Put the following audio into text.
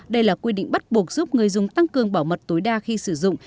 đây là quy định bắt buộc giúp người dùng tăng cường bảo mật tối đa khi sử dụng